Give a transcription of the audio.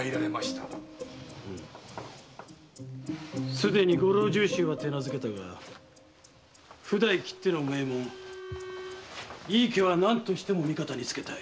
すでにご老中衆は手なずけたが譜代きっての名門・井伊家は何としても味方につけたい。